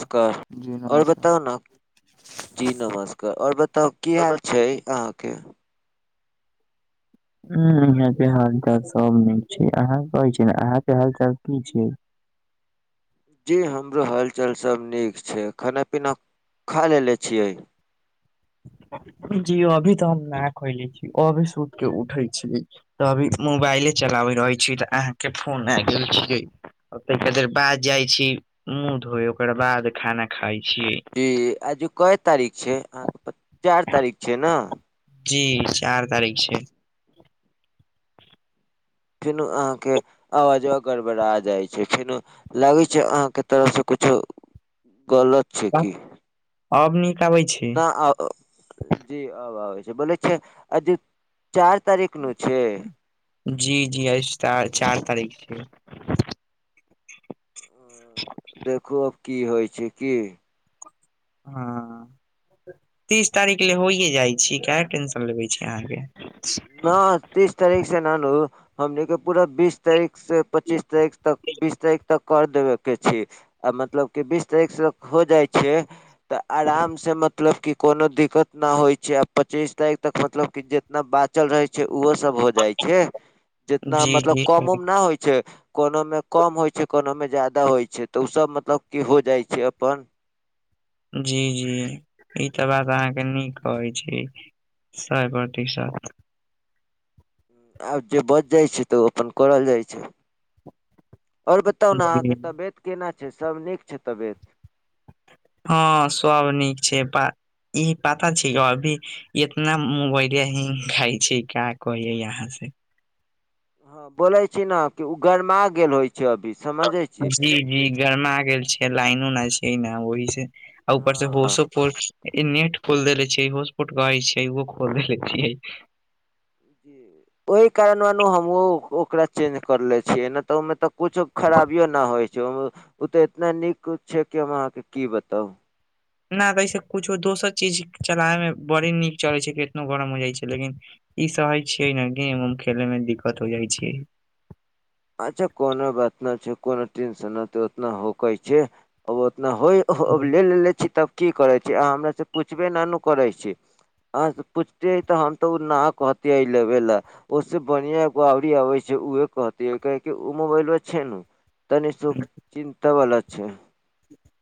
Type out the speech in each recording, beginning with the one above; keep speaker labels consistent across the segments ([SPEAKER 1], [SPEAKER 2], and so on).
[SPEAKER 1] नस्कार
[SPEAKER 2] जी
[SPEAKER 1] आओर
[SPEAKER 2] नमस्कार
[SPEAKER 1] बताउ न। जी नमस्कार आओर बताउ की हाल छैय, अहाँके
[SPEAKER 2] की हैते हाल चाल सब नीक छैय, अहाँ कहै छीय अहाके हाल चाल की छैय।
[SPEAKER 1] जी हमरो हालचाल सब नीक छैय, खाना पीना खा लेलेे छियै।
[SPEAKER 2] जी अभी तऽ हम ना खइले छीय, अभी सुत के उठै छी। तऽ अभी मोबाइले चलाबे रहे छीय, तऽ अहाँ के फोन आ गेल छियै। ओतेक देर बाद जाइ छीय, मुँह धोय ओकर बाद खाना खाइ छियै
[SPEAKER 1] जी आजुक के तारीख छैय अहाँके चाइर तारीख छैय न।
[SPEAKER 2] जी चार तारीख छैय।
[SPEAKER 1] फेनो अहाँके आवाजो गड़बड़ा जाइत छैय, फेनो लागै छैय अहाँके तरफ से कुछो गलत छैय की
[SPEAKER 2] आब नीक आबै छैय।
[SPEAKER 1] न आ जी आब छै, बोल छैय अजी चार तारीख नु छैय।
[SPEAKER 2] जी जी आ आइ चार तारीख छिय।
[SPEAKER 1] देखू अब की होइ छैय की।
[SPEAKER 2] हाँ। तीस तारीख ले होइए जाइ छी काहे टेंशन लेबे छीय अहाँके।
[SPEAKER 1] न तीस तारीख से ना नू। हमनि के पूरा बीस तारीख से पच्चीस तारीख तक बीस तारीख तक कर देबे के छैय। आ मतलब की बीस तारीख से हो जाइ छैय तऽ आराम से मतलब की कुनु दिक्कत न होइ छैय आ पचीस तारीख तक मतलब कि जितना बात चल रहे छैय ओहो सब हो जाइ छैय जितना
[SPEAKER 2] जी
[SPEAKER 1] मतलब
[SPEAKER 2] जी
[SPEAKER 1] कम उम न होइ छैय कुनुमे कम होइ छैय कुनु मे ज्यादा होइ छैय तऽ ओ सब मतलब की हो जाइ छैय अपन।
[SPEAKER 2] जी जी ई तऽ बात अहाँके नीक कहै छैय। [inaudible]
[SPEAKER 1] आब जे बच जाइ छैय तऽ ओ अपन करल जाइ छैय। और बताउ ने
[SPEAKER 2] जी
[SPEAKER 1] अहाँके तबियत कना छैय सभ नीक छैय तबियत।
[SPEAKER 2] हाँ सब नीक छैय प ई पता छैय ग अभी इतना मोबाइल हींग खाइ छैय क्य कही यहाँ से।
[SPEAKER 1] हाँ बोले छीय नहि कि ओ गरमा गेल होइ छैय अभी। समझै छी
[SPEAKER 2] जी जी गरमा गेल छैय लाइनो नै छैय एने ओहि से। उपर से
[SPEAKER 1] हँ
[SPEAKER 2] होसपोट नेट खोल देेले छियै होसपोट ग छैय ओहो खोल देेले छियै।
[SPEAKER 1] ओहि कारण म हमु ओकरा चेंज कर ले छियै नहि तऽ ओहिमे तऽ कुछो खराबियो न होइ छैय ओ तऽ एतना नीक छैय कि हम अहाँके की बताउ।
[SPEAKER 2] नै तैसे कुछो दोसर चीज चलाबे मे बड़ी नीक चलै छैय कि केतनो गरम हो जाइ छैय लेकिन ई सहे छिये ने गेम उम खेले में दिक्कत हो जाय छैय।
[SPEAKER 1] अच्छा कुनु बात नहि छैय कुनु टेंशन उतना होक छैय उतना होय ले ले छीय तब की करै छीय अहाँ हमर से पूछबे न न करै छीये। अहा पूछतियै तऽ हम तऽ ओ न कहतिये लेबे ले। ओसे बढ़िया एगो ओरी आबे छैय उहे कहत कह ओ मोबाइल व छैय ने तनी सुख चिन्ता वला छैय।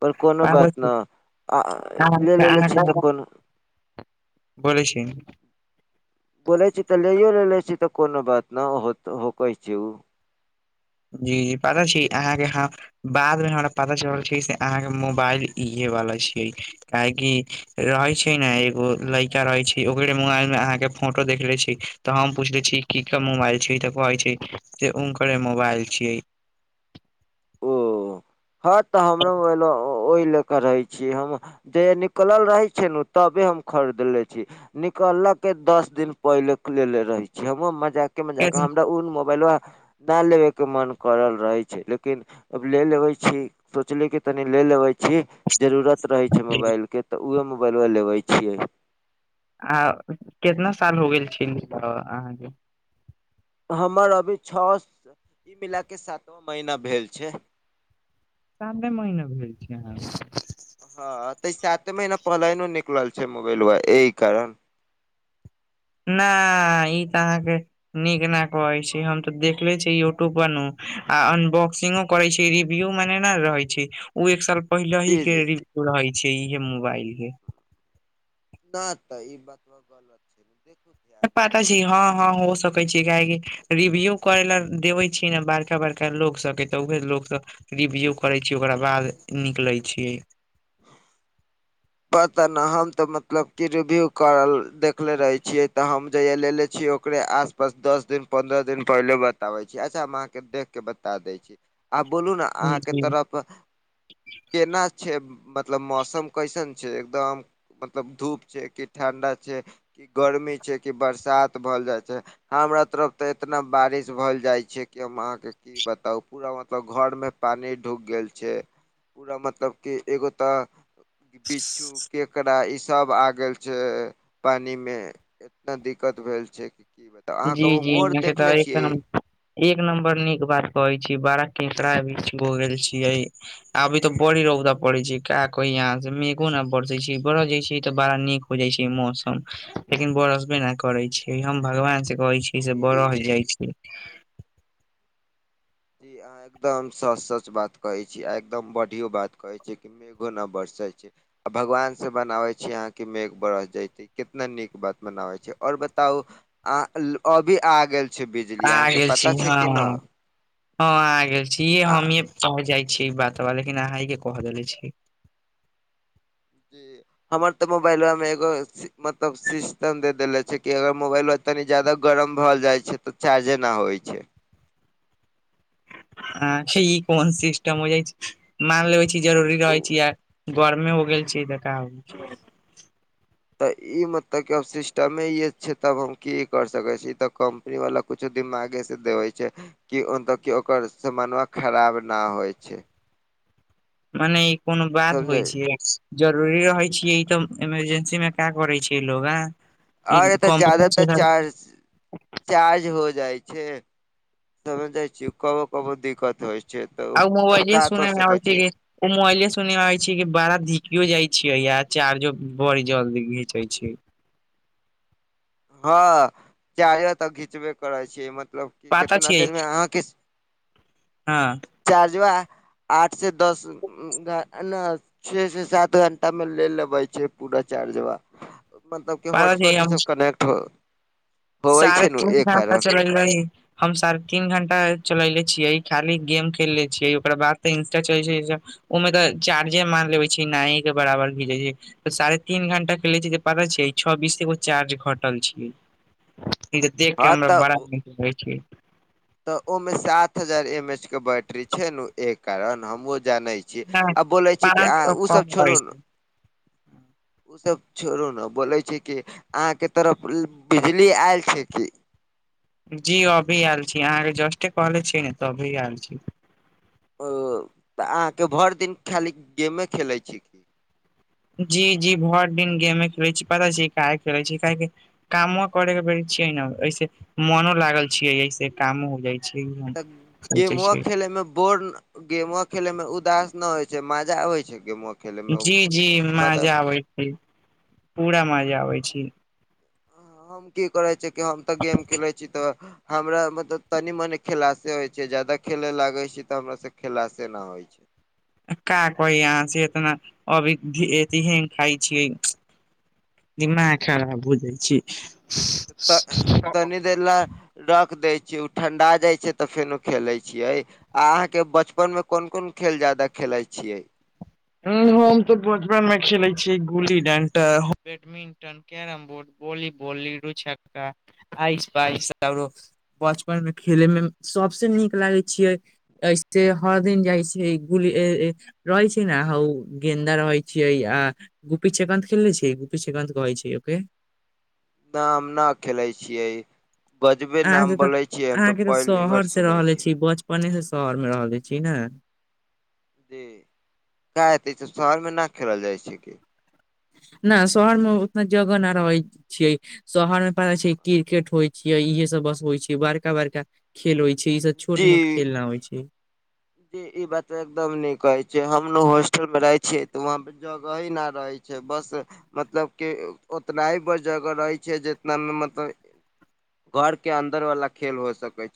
[SPEAKER 1] पर कुनु
[SPEAKER 2] पता
[SPEAKER 1] बात
[SPEAKER 2] छै
[SPEAKER 1] न अ आ ले लेे छी तऽ कोनो
[SPEAKER 2] बोले छी।
[SPEAKER 1] बोले छी तऽ लेयो ले ले छी तऽ कोनो बात न होक छैय उ-
[SPEAKER 2] जी जी पागल छी अहाँके हा बाद मे हमरा पता चलल छैय से अहाँके मोबाइल इहे वला छियै। काहेकि रहै छैय ने एगो लड़का रहै छैय ओकरे मोबाइल मे अहाँ के फोटो देखले छी। तऽ हम पूछले छीय की के मोबाइल छले ते कहे छैय से हुनकरे मोबाइल छिये।
[SPEAKER 1] हाँ तऽ हमरो मोबाईलवा ओहि ले क रहै छीयै हम जे निकलल रहे छैय नऽ तबे हम खरीदले छी। निकलऽ के दस दिन पहिले लेेले रहै छीयै हमू मजाक के मजाक हमरा उन मोबाइलबा ना लेबे के मन करल रहे छैय लेकिन अब ले लेबे छी सोचली की तनी ले लेबे छी जरूरत रहे छैय मोबाइल के। तऽ उहे मोबाइलवा लेबे छियै।
[SPEAKER 2] आ कितना साल हो गेल छिन अहाँके।
[SPEAKER 1] हमर अभी छओ स [inaudible] ई मिलााक सातवां महीना भेल छै।
[SPEAKER 2] साते महीने भेल छी अहाँ
[SPEAKER 1] हाँ त ई साते महीना पहिलेउ ने निकलल छै मोबाइलवा एइ कारण।
[SPEAKER 2] न ई त अहाँके नीक ना कहै छी। हम त देखले छी यूट्यूब पर नू आ अनबॉक्सिंगो कहै छी रिव्यू में नै न रहै छी। उ एक साल पहिलही
[SPEAKER 1] जी
[SPEAKER 2] के
[SPEAKER 1] जी
[SPEAKER 2] रील रहै छी इहे मोबाइल के।
[SPEAKER 1] [unintelligible] देखू ध्यान
[SPEAKER 2] पाठा
[SPEAKER 1] से
[SPEAKER 2] छी
[SPEAKER 1] एक साल
[SPEAKER 2] हाँ- हांँ
[SPEAKER 1] पहिले के
[SPEAKER 2] हो
[SPEAKER 1] न
[SPEAKER 2] सकै
[SPEAKER 1] रहे
[SPEAKER 2] छी काहेकि रिव्यू करै ला देबै छी न बड़का- बड़का लोक सबके त उहे लोक सब रिव्यू करै छियै ओकरा बाद निकलै छियै।
[SPEAKER 1] पता न हम त मतलब की रिव्यू करल देखले रहै छियै, त हम जहिया लेलेे छियौ ओकरे आस पास दस दिन, पंन्द्रह दिन पहिले बताबै छियै। अच्छा, हम अहाँके देख के बता दै छी। आब बोलू न
[SPEAKER 2] जी
[SPEAKER 1] अहाँके
[SPEAKER 2] जी
[SPEAKER 1] तरफ केना छै मतलब मौसम कैसन छै एकदम मतलब धूप छै कि ठण्डा छै कि गर्मी छै कि बरसात भल जाइ छै। हमरा तरफ त एतना बारिश भल जाइ छै कि हम अहाँके की की बताउ पूरा मतलब घर में पानी ढ़ूक गेल छै। पूरा मतलब कि एगो त बिच्छू, केकड़ा, ई सब आ गेल छै पानीमे। इतना दिक्कत भेल छै कि की ब
[SPEAKER 2] जी-जी [unintelligible] एक नम्बर नीक बात कहै छी। बारा केकड़ा भी भ गेल छियै। अभी तो बड़ी रौदा पड़ै छै। का कही अहाँसे मेघो न बरसै छै, बरस जाइ छै त बाड़ा नीक बुझै छियै मौसम लेकिन बरसबे न करै छै हम भगवान से कहै छी से
[SPEAKER 1] जी
[SPEAKER 2] बरस जाइ छी।
[SPEAKER 1] जी अहाँ एकदम सच- सच बात कहै छी आ एकदम बढ़ियों बात कहै छी कि मेघो न बरसै छै, भगवान से बनाबै छी अहाँं के मेघ बरस जैतै। कितना नीक बात बनाबै छै और बताउ आ ल अभी आ गेल छै बिजली अहाँके पता छै कि न?
[SPEAKER 2] हाँ आ गेल छी
[SPEAKER 1] आ
[SPEAKER 2] हमीं कह जाइ छी बात बा लेकिन अहांँ इहे कह देले छी।
[SPEAKER 1] [inaudible] हमर त मोबाइलबामे एगो मतलब सिस्टम दे देेले छै कि अगर मोबाइलबा तनी जादा गरम भ जाइ छै त चार्जे न आबै छै।
[SPEAKER 2] आ छी ई कोन सिस्टम हो जाइ छै, मान लेबै छी जरूरी रहै
[SPEAKER 1] उ
[SPEAKER 2] छी आ परमे हो गेल छि बेकार
[SPEAKER 1] त ई मतलब कि अब सिस्टमे इहे छै तब हम की कर सकै छी ई त कम री बला कुछो दिमागे से देबै छै। कि ओनकर की ओकर समन्मा खराब न होइ छै।
[SPEAKER 2] मने ई कोनो बात
[SPEAKER 1] समझे
[SPEAKER 2] होइ छियै। जरुरी रहै छियै ई त इमरजेंसी मे पैक भरै छियै लोग आंए।
[SPEAKER 1] और एत जादातर चार्ज चार्ज हो जाइ छै, समझ जाइ छियै कबो -कबो दिक्कत होइ छै त
[SPEAKER 2] आ
[SPEAKER 1] उ, उ
[SPEAKER 2] मोबाइले
[SPEAKER 1] का
[SPEAKER 2] सुने
[SPEAKER 1] कर
[SPEAKER 2] मे
[SPEAKER 1] सकै
[SPEAKER 2] आबै
[SPEAKER 1] छै?
[SPEAKER 2] कि ओ मोबाइले सुनमे आबै छै कि बड़ा धिपियो जाइ छियै आ चार्जो बड़ी जल्दी घींचै छियै।
[SPEAKER 1] हँ चाय तऽ घीचबे करै छियै मतलब कि
[SPEAKER 2] पता
[SPEAKER 1] कितना
[SPEAKER 2] छियै।
[SPEAKER 1] देरमे अहाँके
[SPEAKER 2] हँ।
[SPEAKER 1] [unintelligible] [unintelligible] मतलब कि
[SPEAKER 2] पता छै
[SPEAKER 1] हॉटस्पॉट ई
[SPEAKER 2] हम
[SPEAKER 1] सब कनेक्ट होवे
[SPEAKER 2] साढ़े
[SPEAKER 1] छै ने
[SPEAKER 2] तीन
[SPEAKER 1] एहि कारण।
[SPEAKER 2] [unintelligible] हम साढ़े तीन घण्टा चलेले छियै खाली गेम खेलले छियै ओकरा बाद तऽ इंस्टा चलैत छैय ओहिमे तऽ चार्जे मार लेबे छैय नाए के बराबर [unintelligible] छैय। तऽ साढ़े तीन घंटा खेलै छी जे पता छैय छ बीस के एगो चार्ज घटल छैय। ई जे देख के
[SPEAKER 1] हँ
[SPEAKER 2] हमरा
[SPEAKER 1] तऽ
[SPEAKER 2] बड़ा नीक लगे छैय।
[SPEAKER 1] तऽ ओ मे सात हजार एम- एच के बैटरी छैय ने एहे कारण हमहु जाने छी। छ
[SPEAKER 2] नहि
[SPEAKER 1] आ बोलै छैय कि
[SPEAKER 2] पाँच
[SPEAKER 1] अ
[SPEAKER 2] सौ
[SPEAKER 1] ओसभ
[SPEAKER 2] कम
[SPEAKER 1] छोड़ू
[SPEAKER 2] रहै
[SPEAKER 1] न।
[SPEAKER 2] छै
[SPEAKER 1] ओ सब छोड़ू ने बोले छैय कि अहाँ के तरफ बिजली आयल छैय कि।
[SPEAKER 2] जी हाँ अभी आयल छैय अहाँके जस्टे कहले छीयै ने त अभी आयल छैय।
[SPEAKER 1] ओ तऽ अहाँके भरि दिन खाली गेमे खेलैत छी। की
[SPEAKER 2] जी-जी भर दिन गेमे खेले छी पता छैय काहे खेलय छी क [unintelligible]
[SPEAKER 1] तऽ
[SPEAKER 2] सोचै
[SPEAKER 1] गेमो
[SPEAKER 2] छियै
[SPEAKER 1] खेलैमे बोर् गेमो खेले में उदास न होइ छैय, मजा आबय छै गेमो खेलैमे
[SPEAKER 2] जी-जी
[SPEAKER 1] ओतना हमरा तऽ
[SPEAKER 2] मजा आबैत छैय पूरा मजा आबैत छैय।
[SPEAKER 1] हम की करै छी कि हम तऽ गेम खेलै छी तऽ हमरा मतलब तनी मनी खिलासे होय छैय जादा खेले लागे छी तऽ हमरा से खिलासे न होइ छैय।
[SPEAKER 2] का कहि अहाँ से एतना अभीह एतही खाय छियै। दिमाग खराब हो जाइ छैय।
[SPEAKER 1] त तनी देेर ल रख दय छियै उ ठंडा जाय छैय तऽ फेन खेले छियै। आ अहाँ के बचपन में कोन-कोन खेल ज्यादा खेलाय छियै।
[SPEAKER 2] ह हम तऽ बचपन में खेले छियै गुली डंटा, badminton carrom board, volleyball ludo छ्का, आइस पाइस। बचपनमे खेलेमे सबसे नीक लागे छै [unintelligible] ने हौ गेन्दा रहै छैय अ आ गुपी चेकान्त खेलने छियै, गुपी चेकान्त कहै छै ओके।
[SPEAKER 1] न हम न खेलै छियै। गजबे नाम
[SPEAKER 2] अहाँके तऽ
[SPEAKER 1] बोलै छियै हम तऽ पहली बार सुनै छीयै।
[SPEAKER 2] अपने से शहरमे रहल छी ने।
[SPEAKER 1] जी क हेतै त शहरमे न खेलल जाइ छैय की।
[SPEAKER 2] न शहरमे उतना जगह न रहै छैय। शहरमे पता छैय क्रिकेट होइ छियै इहे सब बस होइ छैय बड़का-बड़का। खेल होइ छैय ई सब छोट मोट
[SPEAKER 1] जी
[SPEAKER 2] खेल न होइ छैय।
[SPEAKER 1] ई बात एकदम नीक कहे छैय हम हॉस्टल में रहे छीयै त वहां पे जगह ही न रहै छैय बस मतलब की उतना ही बड़ जगह रहै छैय जितनामे मतलब घरके अंदर वाला खेल भ सकय।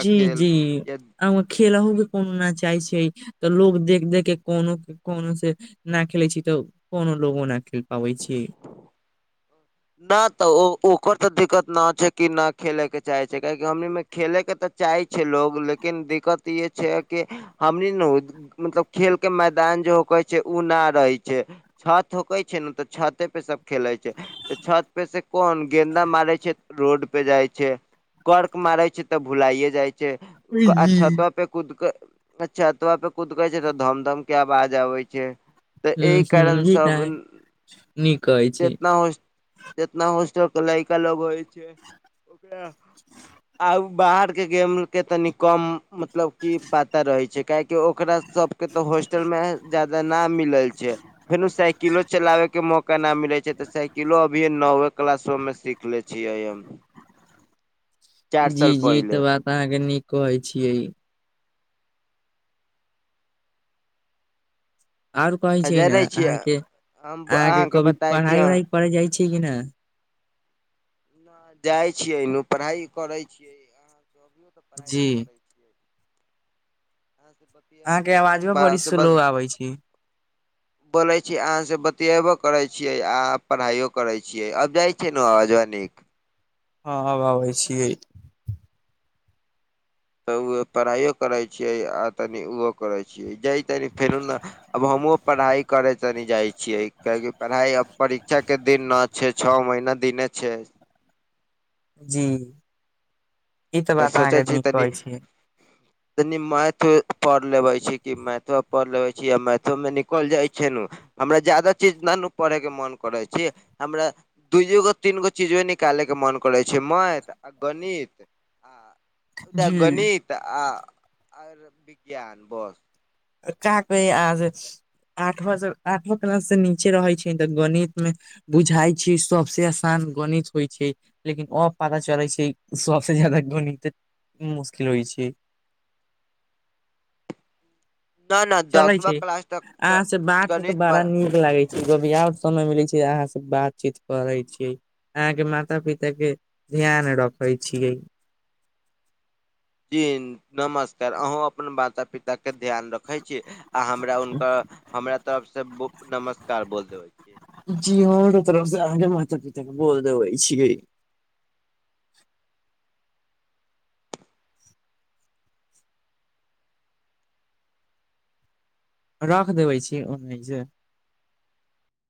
[SPEAKER 2] जी- जी! खेल हो के कोनो न चाह छियै, तऽ लोक देख- देख के कोनो- कोनो से नहि खेलै छी तऽ, कोनो लोगो नहि खेल पाबै छियै।
[SPEAKER 1] ना तऽ, ओ ओकर तऽ दिक्कत ना छै, कि नहि खेले के चाहे छै, काहे कि हमनी मे खेलेके तऽ चाहे छै लोग, लेकिन दिक्कत ई छै कि, हमनी नु मतलब खेल के मैदान जे होकरै छै, उ न रहै छै। छत होकै छै ने, तऽ छते पे सब खेलैत छै। तऽ छत पे से कोन, गेन्दा मारै छै रोड पे जाइ छै। कर्क मारै छै तऽ भुलाइे जाइ छै,
[SPEAKER 2] जी
[SPEAKER 1] छतो पे कूद कऽ अच्छतबा तोह पे कुद कहै छै तऽ धम -धम के आबाज आबै छै। तऽ
[SPEAKER 2] ह
[SPEAKER 1] एहि कारण
[SPEAKER 2] ह
[SPEAKER 1] सब
[SPEAKER 2] त नीक कहै छी
[SPEAKER 1] जेतना हो जेतना होस्टल क लइका लोग होइ छै, ओकरा बाहर के गेम के, तनी कम मतलब की पता रहे छै। काहेकि ओकरा सबके तऽ, हॉस्टल में ज्यादा ना मिलै छै। फेनो साइकिलो चलावे के मौक केना मिलै छै तऽ, साइकिलो अभी नओे क्लासो में सीख ले छियै हम। चार साल
[SPEAKER 2] जी- जी! ई
[SPEAKER 1] पहिले
[SPEAKER 2] तऽ बात अहाँके नीक कहै छियै। और कहै
[SPEAKER 1] आ
[SPEAKER 2] छियै ने,
[SPEAKER 1] जानै छियै
[SPEAKER 2] अहाँके
[SPEAKER 1] हम
[SPEAKER 2] -अहाँके
[SPEAKER 1] अहाँके
[SPEAKER 2] कभी
[SPEAKER 1] बताय छी
[SPEAKER 2] पढ़ाई -उढ़ाई करे जाइ छै कि ने।
[SPEAKER 1] जाइ छीयै, पढ़ाइ करै छियै। अहाँके अभियो तऽ
[SPEAKER 2] जी।
[SPEAKER 1] पढ़ाइए हह से बतआो बर से ब [unintelligible]
[SPEAKER 2] होै छी।
[SPEAKER 1] बोलैत छी, अहाँसँ बतेबो करैत छियै, अहाँ पढ़ाइयो करैत छियै, आब जाइत छियै ने आवाजवनीक
[SPEAKER 2] हँ, आब आबै छियै।
[SPEAKER 1] तऽ ओ पढ़ाइयो करै छियै, आ तनि ओहो करै छियै जाय फेरू ने अब हमहुँ पढ़ाई करे तनि जाय छीये, किआ कि पढ़ाई परीक्षा के दिन न छै। छ महीना दिने छै।
[SPEAKER 2] जी! ई तऽ बात अहाँके
[SPEAKER 1] सोचै छी
[SPEAKER 2] नीक कहै छी।
[SPEAKER 1] तनि मैथ पढ़ लेबे छी कि, मैथो पढ़ लेबे छी, आ मैथो में निकल जाइ छै न हमरा ज्यादा चीज नहि पढ़ैके मन करै छी, हमरा दुयो गो, तीन गो, चीजे निकालै के मन करैत छै, मैथ आ गणित त
[SPEAKER 2] जी
[SPEAKER 1] गणित आ आ विज्ञान बस।
[SPEAKER 2] काक आ से आठव आठव क्लस से नीचे रहै छै, तऽ गणित मे बुझाइ छै, सबसे आसान गणित होइ छै। लेकिन अब पता चलैत छै, सबसँ ज्यादा गणित तऽ मुश्किल होइ छै।
[SPEAKER 1] न न
[SPEAKER 2] चले
[SPEAKER 1] दसवा
[SPEAKER 2] छै,
[SPEAKER 1] क्लास तक पूरा
[SPEAKER 2] अहाँ से बात के
[SPEAKER 1] गणित
[SPEAKER 2] बड़ा
[SPEAKER 1] बा
[SPEAKER 2] नीक लागै छै, भ आओ समय मिलै छै, अहाँ से बातचीत करै छीयै। अहा के माता- पिता के ध्यान रखे छीयै।
[SPEAKER 1] जी नमस्कार! अहूँ अपन माता- पिता के ध्यान रखे छी। आ हमरा हुनका हमरा तरफ से नमस्कार! बोल देबे।
[SPEAKER 2] जी हमरो तरफ से, अहाँके माता- पिता के बोल देबे छियै। रख देबे छी ओनाहि जे